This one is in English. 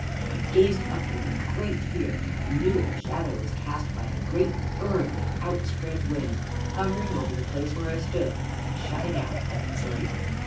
"I gazed upwards in great fear, and knew that the shadow was cast by a great bird with outspread wings hovering over the place where I stood and shutting out heaven's light.